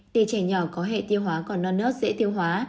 tỷ trẻ nhỏ có hệ tiêu hóa còn non nớt dễ tiêu hóa